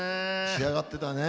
仕上がってたね。